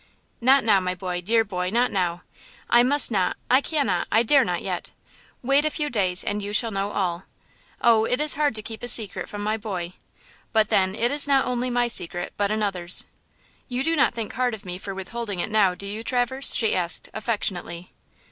"Not now, my boy; dear boy, not now. I must not–I cannot–I dare not yet! Wait a few days and you shall know all. Oh, it is hard to keep a secret from my boy! but then it is not only my secret, but another's! You do not think hard of me for withholding it now, do you, Traverse?" she asked, affectionately.